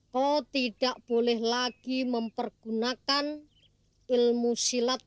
kau tidak boleh lagi mempergunakan ilmu silat